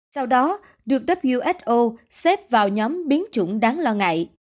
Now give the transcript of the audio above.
sau đó được who xếp vào nhóm biến chủng đáng lo ngại